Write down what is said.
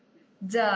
じゃあ。あ。